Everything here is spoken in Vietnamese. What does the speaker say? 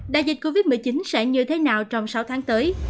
đại dịch covid một mươi chín sẽ như thế nào trong sáu tháng tới